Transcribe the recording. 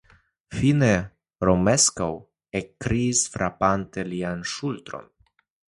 Fine Romeskaŭ ekkriis, frapante lian ŝultron.